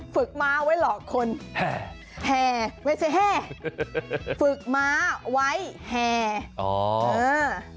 ม้าไว้หลอกคนแห่ไม่ใช่แห่ฝึกม้าไว้แห่อเออ